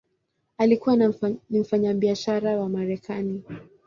Alikuwa ni mfanyabiashara wa Marekani.